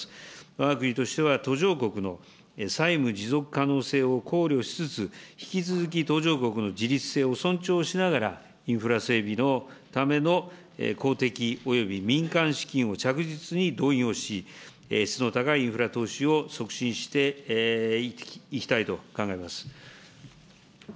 わが国としては途上国の債務持続可能性を考慮しつつ、引き続き途上国の自立性を尊重しながらインフラ整備のための公的、および民間資金を着実に動員をし、質の高いインフラ投資を促進していきたいと考えます。